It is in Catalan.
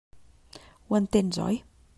Ho entens, oi?